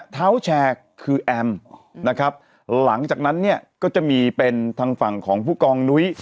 เท้าแชร์คือแอมนะครับหลังจากนั้นเนี่ยก็จะมีเป็นทางฝั่งของผู้กองนุ้ย